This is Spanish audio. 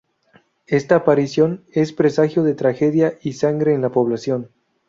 Esta aparición es presagio de tragedia y sangre en la población.